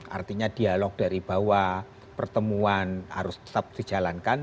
artinya dialog dari bawah pertemuan harus tetap dijalankan